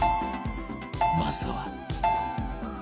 まずは